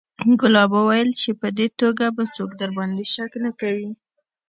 ګلاب وويل چې په دې توګه به څوک درباندې شک نه کوي.